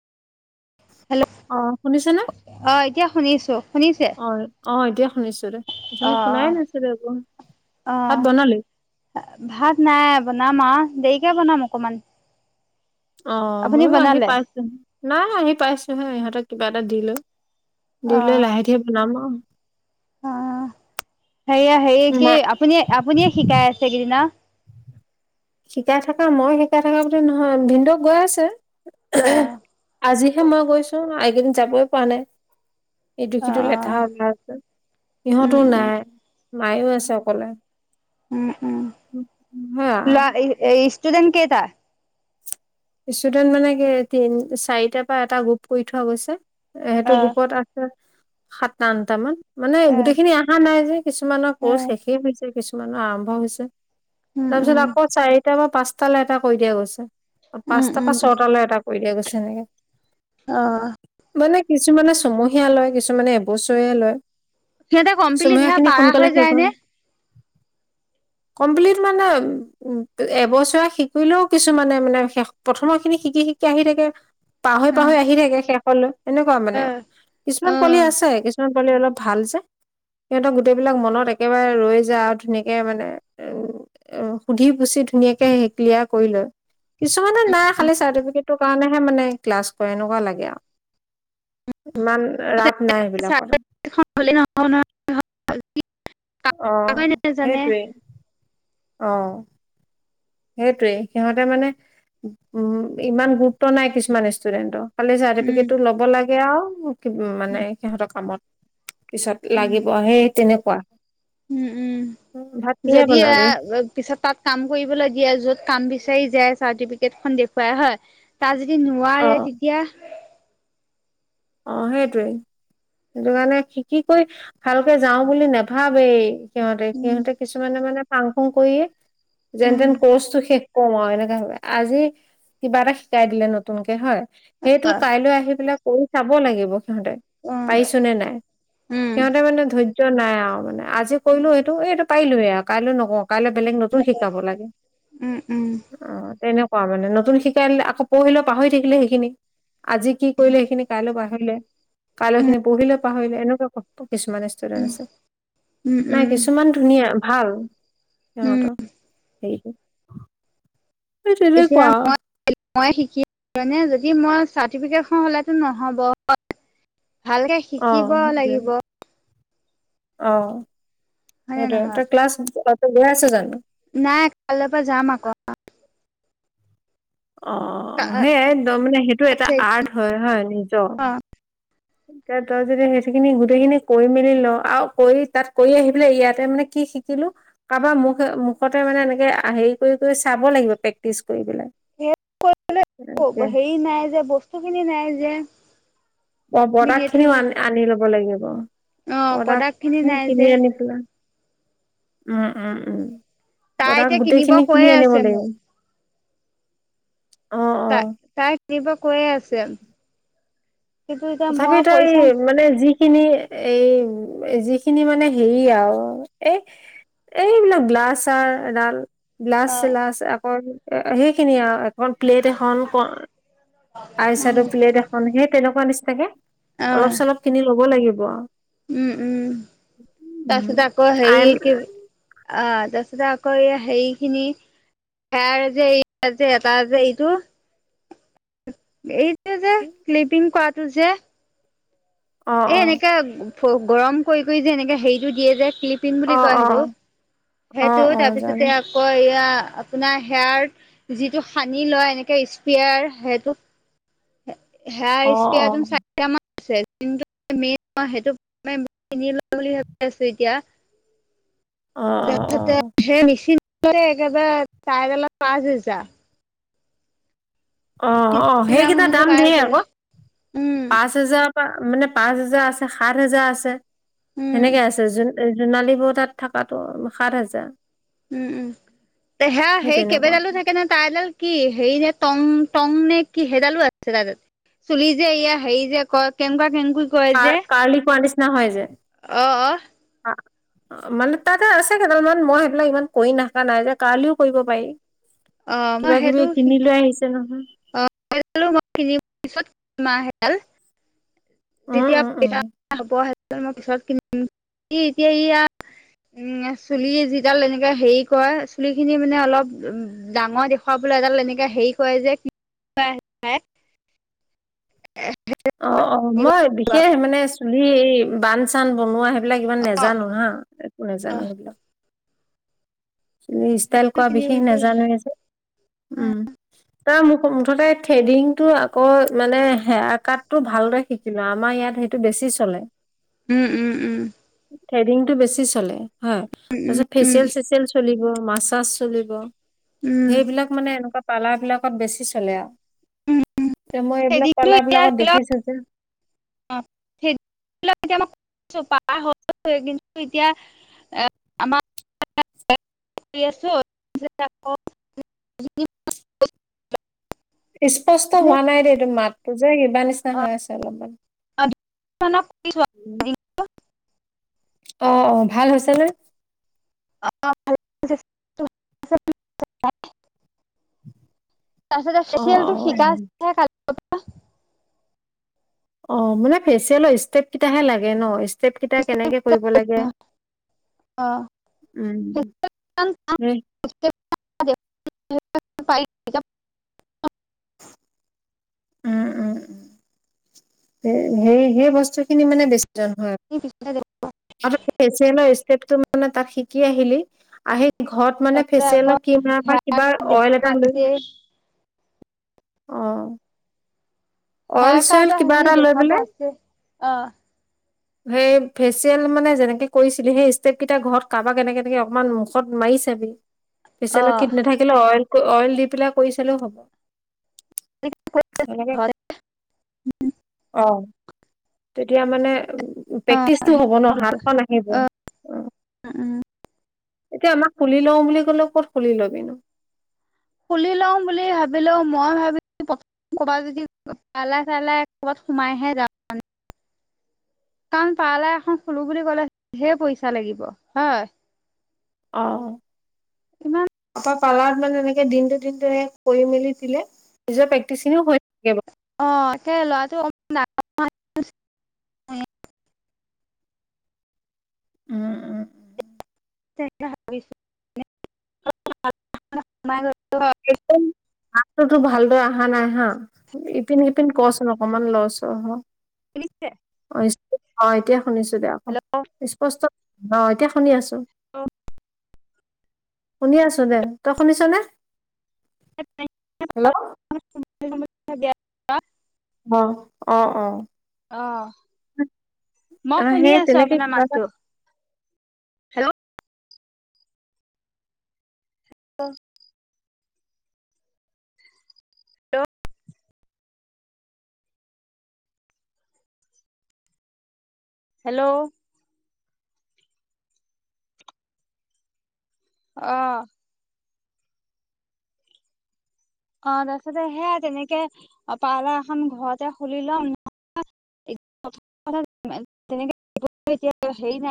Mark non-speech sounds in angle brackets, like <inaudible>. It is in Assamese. হেল্ল' <inaudible> অ, শুনিছে নে? অ এতিয়া শুনিছো শুনিছে অ অ, এতিয়া শুনিছো ৰে। উঠনি অ শুনাই নাছিলো একো। অ অ ভাত বনালি? ভাত নাই বনাম আ, দেৰিকে বনাম অকমান। অ, আপুনি ময়ো আহি বনালে পাইছো। নাই আহি পাইছোহে ইহঁতক কিবা এটা দিলৈ। দি অ লৈ লাহে ধীৰে বনাম আ সেয়া, হেৰিয় কি নাই আপুনি আপুনিয়ে শিকাই আছে, এইকেইদিন আৰু? শিকাই থকা, মই শিকাই থকা বুলি নহয় ভিনন্দু গৈ আছে। অ আজিহে মই গৈছো, এইকেইদিন যাবই পোৱা নাই। এইটো অ অ সিটো লেঠা ওলাই আছে। উম ইহঁতো উম নাই, মায়ো আছে অকলে। উম, উম। <inaudible> সেয়া। <inaudible> ষ্টুদেণ্ট কেইটা? ষ্টুডেন্ট মানে কি, তিন চাৰিটাৰ পৰা এটা গ্ৰুপ কৰি থোৱা গৈছে সেইটো অ গ্ৰুপত সাত আঠটা মান, মানে অ গোটেইখিনি অহা নাই যে কিছুমানৰ অ কৰ্চ শেষেই হৈছে। কিছুমান আৰম্ভ হৈছে। উম উম তাৰপিছত আকৌ চাৰিটা বা পাঁচটালৈ এটা কৰি দিয়া গৈছে। উম পাঁচটাৰ উম পৰা ছয়টালৈ এটা কৰি দিয়া গৈছে এনেকে। অ মানে কিছুমানে চমহীয়া লয়, কিছুমানে এবছৰে লয়। সিহঁতে কমপ্লিট চুমহীয়া সেয়া খিনি পাৰা সোনকালে হৈ শেষ যায় নে হয়। কমপ্লিট মানে, এবছৰ শিকিলেও কিছুমানে মানে প্ৰথমৰ খিনি শিকি-শিকি আহি থাকে, উম পাহৰি-পাহৰি আহি থাকে শেষলৈ এনেকুৱা অ মনে। অ কিছুমান পোৱালি আছে, কিছুমান পোৱালি অলপ ভাল যে সিহঁতক গোটেইবিলাক মনত একেবাৰে ৰৈ যায় আৰু ধুনীয়াকে মানে অ, সুধি পুচি ধুনীয়াকে ক্লিয়াৰ কৰি লয়। কিছুমানে নাই, খালী চাৰ্টিফিকেটৰ কাৰণেহে মানে ক্লাছ কৰে এনেকুৱা লাগে আৰু ইমান ৰাপ নাই এইবিলাকৰ। <inaudible> অ, কাগজে নাজানে সেইটোৱে, অ। সেইটোয়ে, সিহঁতে মানে, উম ইমান গুৰুত্ব নাই কিছুমান ষ্টুডেন্টৰ। খালি উম চাৰ্টিফিকেটটো ল'ব লাগে আৰু মানে সিহঁতৰ কামত। পিছত উম, লাগিব সেই তেনেকুৱা। উম, উম ভাত কিহে যদি এইয়া বনাবি? পিছত তাত কাম কৰিবলৈ দিয়ে য'ত কাম বিচাৰ যায় চাৰটিপিকেট খন দেখুৱাই হয়। তাত যদি নোৱাৰে অ', তেতিয়া? অঁ, সেইটোৱেই সেইটো কাৰণে শিকি কৰি ভালকে যাওঁ বুলি নেভাবেই। সিহঁতে, উম, সিহঁতে কিছুমানে মানে ফাং ফুং কৰিয়েই উম, যেনতেন কৰ্চটো শেষ কও আও এনেকা ভাবে, আজি কিবা এটা শিকাই দিলে নতুনকে হয়, সেইটো কাইলৈ আহি পেলাই কৰি চাব লাগিব। সিহঁতে অ', পাৰিছো নে নাই? উম, সিহঁতে মানে ধৈৰ্য নাই আঔ মানে। আজি কৰিলো সেইটো এ এইটো পাৰিলোৱে আঔ কাইলৈ নকঁও কাইলে বেলেগ নতুন শিকাব লাগে। উম, উম, অঁ তেনেকুৱা মানে, নতুন শিকাই দিলে আকৌ পৰশিলৈ পাহৰি থাকিলে সেইখিনি, আজি কি কৰিলে সেইখিনি পাহৰিলে কাললৈ খিনি পৰহিলে পাহৰিলে এনেকুৱা ক কিছুমানে <unintelligible> আছে, উম, নাই উম, কিছুমান ধুনীয়া ভাল। উম, সিহঁতৰ, সেই এতিয়া তেনেকুৱা। মই মই শিকি কেনে যদি মই চাৰটিফিকেট খন হ'লেটো নহ'ব। ভালকে অ', শিকিব লাগিব। অঁ, হয় নে সেইটোৱে নহয়? তই ক্লাছ তই ত' গৈ আছ জানো? নাই কাইলৰ পৰা যাম আকৌ। অঁ সেইয়াই, একদম মানে সেইটো এটা আৰ্ট হয় হয় নিজ অ', কে তই যদি সেইখিনি গোটেইখিনি কৰি মেলি ল' আৰু কৰি তাত কৰি আহি পেলাই ইয়াতে মানে কি শিকিলো কাবাৰ মুখে মুখতে মানে এনেকে হেৰি কৰি কৰি চাব লাগিব প্ৰেক্টিচ কৰি পেলাই। হেল্প কৰিবলে হেৰি নাই যে বস্তু খিনি নাই যে। অঁ, প্ৰডাক্ট সেইটো খিনিও আন আনি ল'ব লাগিব অ', প্ৰডাক্ট খিনি নাই কিনি যে। আনি পেলাই উম উম উম। তাই প্ৰাডাক এতিয়া কিনিব গোটেইখিনি কিনি কৈয়ে আনিব আছে লাগিব। মোক অঁ তা তাই কিবা কৈয়ে আছে। কিন্তু এতিয়া তথাপি মই তাই পইচা মানে যি খিনি এই যিখিনি মানে হেৰি আও এহ এইবিলাক ব্লাছাৰ এডাল ব্লাচ অ চেলাচ আকৌ সেইখিনিয়ে আও এখন প্লেট এখন ক আই চেদ' প্লেট এখন সেই তেনেকুৱা নিচিনাকে, অ অলপ চলপ কিনি ল'ব লাগিব আও। উম উম তাপিছতে আকৌ হেই আই কি আ' তাছতে আকৌ এইয়া সেই খিনি হেয়াৰ যে এই যে এটা যে এইটো, এইটো যে <inaudible> ক্লিপিং কৱাটো যে। অ', এই অ', এনেকে, ফ গৰম কৰি কৰি যে এনেকে হেৰিটো দিয়ে যে ক্লিপিঙ বুলি অ', কয় অ', সেইটো। অ', সেইটো অ', জানো তাৰপিছতে কয় এয়া আপোনাৰ হেয়াৰ যিটো সানি লয় এনেকে স্প্ৰেয়াৰ সেটো হেয়াৰ অ', ইচপেয়াৰ অ', টো চাই এতিয়া আমাৰ সেইটো মেইন <unintelligible> লোৱা বুলি ভাবি আছো এতিয়া। <inaudible> অ', তাৰছতে অ', সেই মেচিন <unintelligible> একেবাৰে তাইডালাত পাঁছ হেজা। অঁ, তিনি অঁ হেজাৰ সেইকেইটা মানতে দাম পাই ধেৰ গ'লে আক' উম পাঁচ হেজাৰ পা মানে পাঁচ হোজাৰ আছে, সাত হোজাৰ আছে, উম সেনেকে আছে জোন এই জোনালী বৌ তাত থাকাটো সাত হাজাৰ। উম উম, তে হেয়া সেই কেইবডালো থাকে নে, তাইডাল কি হেৰি নে টং, টং নে কি সেইডালো আছে তাতে চুলি যে ইয়া হেৰি যে কৰে, কেনকুৱা, কেনকু কাৰ, কাৰ্লি কৰাৰ নিচিনা হয় যে। অ, অ। অ। অ, মানে তাতে আছে কেইডালমান, মই সেইবিলাক ইমান কৰি নাখা নাই যে, কাৰ্লিও কৰিব পাৰি। অ মই কিবা-কিবি সেইটো কিনি লৈ শিকিলো আহিছে নহয়। <unintelligible> উম যেতিয়া উম উম পইচা হ'ব সেই দুডাল মই পিছত কিনিম, ই এতিয়া ইয়া উম, চুলি যিডাল এনেকে হেৰি কৰে, চুলি খিনি মানে অলপ উম ডাঙৰ দেখুৱাবলে এডাল এনেকে হেৰি কৰে যে <unintelligible> অ অ, মই বিশেষ মানে চুলিৰ এই বান-চান বনোৱাে সেই বিলাক ইমান নেজানো হা, একো নাজানো সেইবিলাক। চুলি ষ্টাইল কৰা বিশেষ নাজানোৱে যে, উম। তাৰ মুখ মুঠতে থ্ৰেডিং টো আকৌ মানে হেয়াৰ কাট টো ভাল দৰে শিকি লোৱা, আমাৰ ইয়াত সেইটো বেছি চলে। উম, উম, উম। থ্ৰেডিং টো বেছি চলে, হয়। উম তাৰপিছত উম ফেচিয়েল-চে চলিব, মাছাজ চলিব, উম সেইবিলাক মানে এনেকুৱা পাৰ্লাৰ বিলাকত বেছি চলে আৰু। উম তে মই এইবিলাক থ্ৰেডিংটো পাৰ্লাৰ এতিয়া বিলাকত ধৰি লওক দেখিছো যে <unintelligible> এ, আমাৰ <unintelligible> কৰি আছো <unintelligible> ইস্পষ্ট হোৱা নাই দেই, তোৰ মাতটো যে কিবা নিচিনা হৈ আছে অলপমান। <unintelligible> অ অ, ভাল হৈছে নে? <unintelligible> তাৰপিছতে অ অ ফেচিয়েলটো শিকাইছে হে কালিৰ পৰা। অ, মানে ফেচিয়েলৰ ইষ্টেপ কিটাহে লাগে ন, ষ্টেপ কেইটা কেনেকে কৰিব লাগে? অ উম। <unintelligible> উম। <inaudible> উম উম উম, সেই, সেই বস্তু খিনি মানে বেছি পিছতে <unintelligible> ফেচিয়েলৰ ইষ্টেপতো মানে তাত শিকি আহিলি, আহ ঘৰত মানে আকৌ ফেচিয়েলৰ কিম বা হেয়াৰ কিবা কাট অইল এটা লৈ দেখুৱাইছে অ। হেয়াৰ অইল-চইল কাৰ্ডৰ কিবা সেইখিনি এটা লৈ দেখুৱাব পেলে আছে অ'। সেই ফেচিয়েল মানে যেনেকে কৰিছিলি সেই ষ্টেপ কেইটা ঘৰত কাবাক এনেকে-এনেকে অকমান মুখত মাৰি চাবি। ফেচিয়েলৰ অ', কিড নাথাকিলে অইল ক অইল দি পেলাই কৰি চালেও হব। হেনেকে <unintelligible> অ, তেতিয়া মানে উম প্ৰেক্টিচটো হ'ব ন, হাতখন আহিব। উম। এতিয়া আমাক খুলি লওঁ বুলি ক'লেও ক'ত খুলি ল'বিনো! খুলি লওঁ বুলি ভাবিলোও মই ভাবি প্ৰথম কৰ'বাত যদি পলাই চলাই কৰ'বাত সোমাইহে যাওঁ। কাৰণ পাৰালা এখন খুলো বুলি ক'লে ধেৰ পইচা লাগিব হয়। অ অ, ইমান পাছত পাৰলাত মানে এনেকে দিনটো দিনটো সেই কৰি মেলি দিলে পিছত প্ৰেক্টিচিনি হৈ থাকিব অ সেই লৰাটো উম উম। <unintelligible> <unintelligible> মাততো তোৰ ভালদৰে অহা নাই হা, ইপিন সিপিন কৰচোন অকমান লৰচৰ হ। <unintelligible> অ এতিয়া শুনিছো দে আকৌ স্পষ্ট অ এতিয়া শুনি আছো। <unintelligible> শুনি আছো দে, তই শুনিছ নে? হেল্লো' <unintelligible> অ', অ', অ', অ', মই শুনি সেই আছোঁ তেনেকে আপোনাৰ কিবা এটা মাতটো হেল্ল' অ'। <unintelligible> হেল্লো'। অ'। অ তাৰপিছতে সেয়া তেনেকে অ পাৰ্লাৰ এখন ঘৰতে খুলি লং <unintelligible> এতিয়া হেৰি নাই।